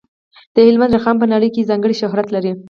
د هلمند رخام په نړۍ کې ځانګړی شهرت لري.